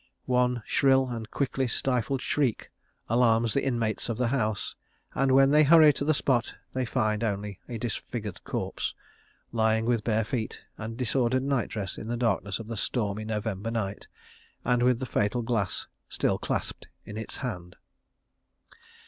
One shrill and quickly stifled shriek alarms the inmates of the house, and when they hurry to the spot they find only a disfigured corpse, lying with bare feet and disordered night dress in the darkness of the stormy November night, and with the fatal glass still clasped in its hand.